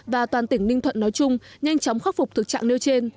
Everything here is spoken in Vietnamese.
và toàn tỉnh ninh thuận nói chung nhanh chóng khắc phục thực trạng nêu trên